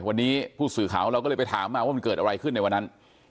วันนี้ผู้สื่อข่าวเราก็เลยไปถามมาว่ามันเกิดอะไรขึ้นในวันนั้น